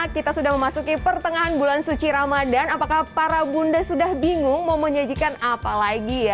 kita sudah memasuki pertengahan bulan suci ramadan apakah para bunda sudah bingung mau menyajikan apa lagi ya